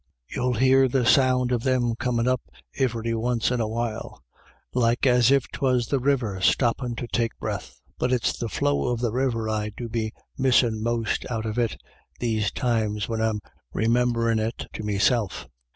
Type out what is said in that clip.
You'll hear the sound of them comin' up iveryonce and awhile, like as if 'twas the river stoppin' to take breath. But it's the flow of the river I do be missin' most out of it, those times when I'm remim berin' it to meself.